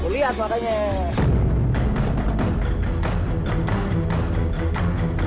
lepasin pak randy